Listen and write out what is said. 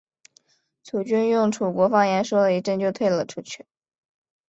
楚军用楚国方言说了一阵就退了出去。